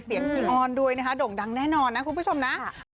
ขี้อ้อนด้วยนะคะโด่งดังแน่นอนนะคุณผู้ชมนะ